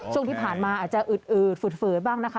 ช่วงที่ผ่านมาอาจจะอืดฝืดบ้างนะคะ